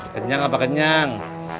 kenyang apa kenyang